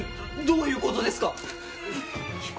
どういう事ですか？